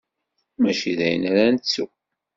Mačči dayen ara nettu.